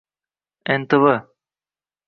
ntv